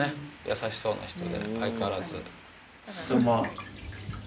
優しそうな人で相変わらず。